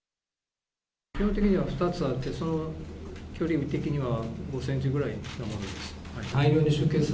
基本的には２つあって、その距離的には５センチぐらいなものです。